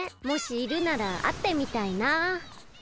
もしいるならあってみたいな。